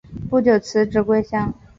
不久辞职归乡。